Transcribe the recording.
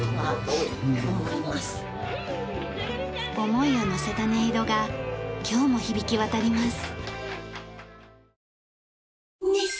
思いをのせた音色が今日も響き渡ります。